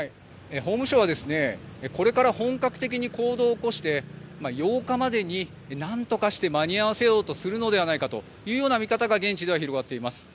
法務省はこれから本格的に行動を起こして８日までに何とかして間に合わせようとするのではないかという見方が現地では広がっています。